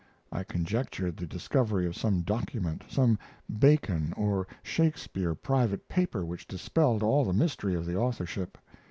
I conjectured the discovery of some document some Bacon or Shakespeare private paper which dispelled all the mystery of the authorship.